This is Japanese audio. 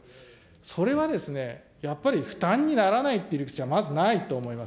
それはですね、やっぱり負担にならないっていう理屈はまずないと思います。